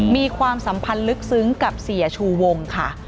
มีความสัมพันธ์ลึกซึ้งกับเสียชูวงค่ะ